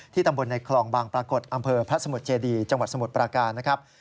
ตำบลในคลองบางปรากฏอำเภอพระสมุทรเจดีจังหวัดสมุทรปราการนะครับ